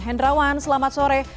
hendrawan selamat sore